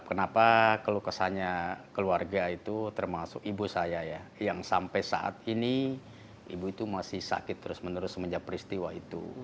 kenapa keluh kesahnya keluarga itu termasuk ibu saya ya yang sampai saat ini ibu itu masih sakit terus menerus semenjak peristiwa itu